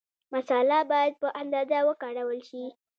مساله باید په اندازه وکارول شي.